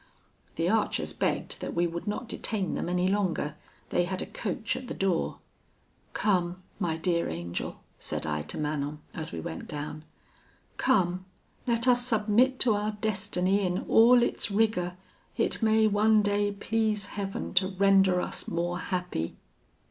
The archers begged that we would not detain them any longer. They had a coach at the door. 'Come, my dear angel,' said I to Manon, as we went down, 'come, let us submit to our destiny in all its rigour: it may one day please Heaven to render us more happy.'